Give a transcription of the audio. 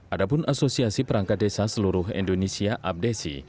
ada pun asosiasi perangkat desa seluruh indonesia abdesi